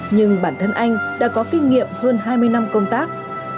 nhưng bản thân anh đã có kinh nghiệm hơn hai mươi năm công tác